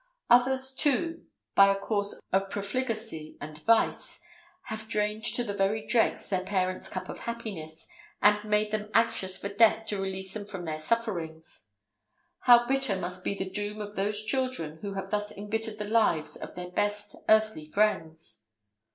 Others, too, by a course of profligacy and vice, have drained to the very dregs their parents' cup of happiness, and made them anxious for death to release them from their sufferings. How bitter must be the doom of those children who have thus embittered the lives of their best earthly friends!